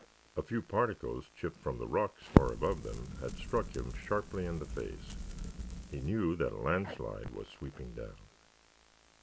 A few particles chipped from the rocks far above them had struck him sharply in the face. He knew that a landslide was sweeping down.